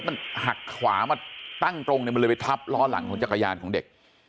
มันหักขวามาตั้งตรงเนี่ยมันเลยไปทับล้อหลังของจักรยานของเด็ก